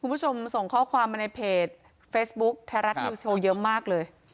คุณผู้ชมส่งข้อความมาในเพจเฟซบุ๊คไทยรัฐนิวส์โชว์เยอะมากเลย